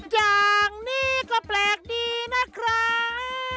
อย่างนี้ก็แปลกดีนะครับ